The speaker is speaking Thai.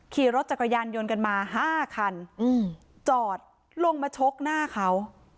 ขี่รถจักรยานยนต์กันมา๕คันจอดลงมาชกหน้าเขา